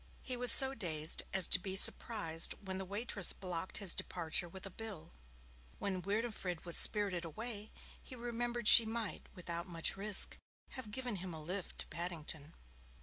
He was so dazed as to be surprised when the waitress blocked his departure with a bill. When Winifred was spirited away, he remembered she might, without much risk, have given him a lift to Paddington.